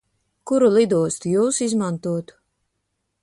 Kuru lidostu Jūs izmantotu?